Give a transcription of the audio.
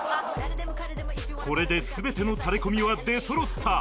これで全てのタレコミは出そろった